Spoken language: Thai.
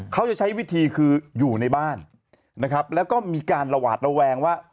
เขาจะใช้วิธีคืออยู่ในบ้านนะครับแล้วก็มีการระหวาดระแวงว่า